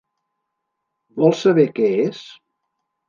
Vols saber què és?